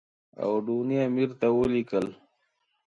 اوډني امیر ته ولیکل.